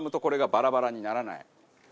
バラバラにならない？